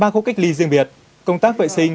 ba khu cách ly riêng biệt công tác vệ sinh